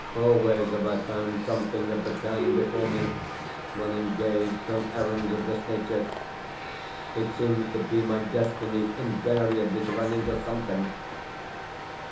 Always have I found something of the kind befall me when engaged on errands of this nature. It seems to be my destiny invariably to run into something.